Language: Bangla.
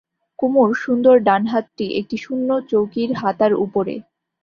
কুমুর সুন্দর ডান হাতটি একটি শূন্য চৌকির হাতার উপরে।